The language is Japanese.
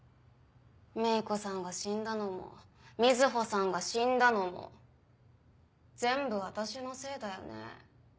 芽衣子さんが死んだのも水帆さんが死んだのも全部私のせいだよね。